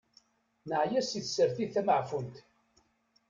Neɛya si tsertit tameɛfunt.